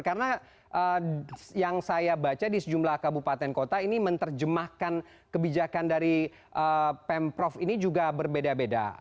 karena yang saya baca di sejumlah kabupaten kota ini menerjemahkan kebijakan dari pemprov ini juga berbeda beda